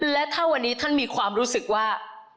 และถ้าวันนี้ท่านมีความรู้สึกว่า